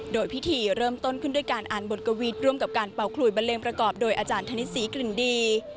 โดยพิธีเริ่มต้นขึ้นด้วยการอ่านบทกวีทร่วมกับการเป่าขลุยบันเลงประกอบโดยอาจารย์ธนิษฐศรีกลิ่นดี